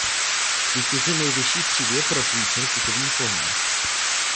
Vítězi nejvyšší třídy je propůjčen putovní pohár.